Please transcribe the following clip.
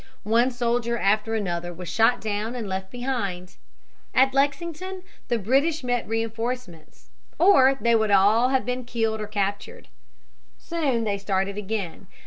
One soldier after another was shot down and left behind. At Lexington the British met reinforcements, or they would all have been killed or captured. Soon they started again.